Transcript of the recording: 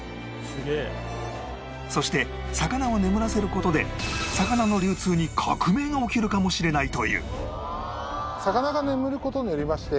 そして魚を眠らせる事で魚の流通に革命が起きるかもしれないという